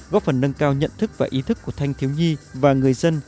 góp phần nâng cao nhận thức và ý thức của thanh thiếu nhi và người dân